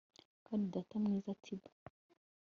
Kandi data mwiza Tiber